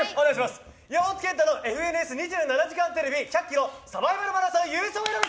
山本賢太の「ＦＮＳ２７時間テレビ」１００ｋｍサバイバルマラソン優勝への道！